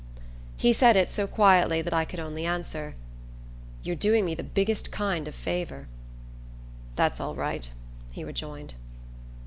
He said it so quietly that I could only answer: "You're doing me the biggest kind of a favour." "That's all right," he rejoined.